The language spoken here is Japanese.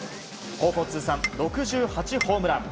高校通算６８ホームラン。